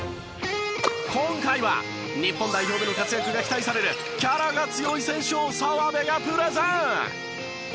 今回は日本代表での活躍が期待されるキャラが強い選手を澤部がプレゼン！